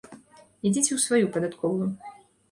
Ідзіце ў сваю падатковую.